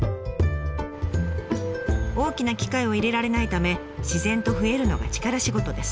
大きな機械を入れられないため自然と増えるのが力仕事です。